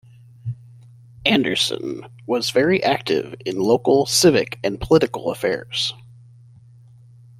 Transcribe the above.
Anderson was very active in local civic and political affairs.